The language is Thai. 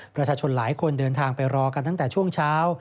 ประชาชนหลายคนเดินทางไปรอกันตั้งแต่ช่วงเช้า